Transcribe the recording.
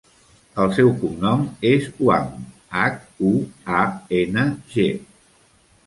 El seu cognom és Huang: hac, u, a, ena, ge.